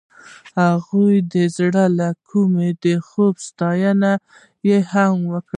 هغې د زړه له کومې د خوب ستاینه هم وکړه.